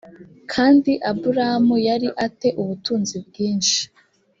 kandi aburamu yari a te ubutunzi bwinshi